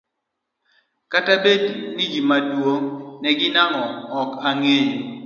kata bed ni gimaduong' ne gin ang'o, ok ang'eyo.